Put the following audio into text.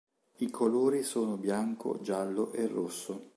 I colori sono bianco, giallo e rosso.